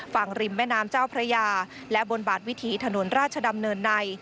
ริมแม่น้ำเจ้าพระยาและบนบาดวิถีถนนราชดำเนินใน